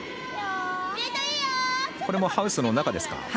これもハウスの中ですか？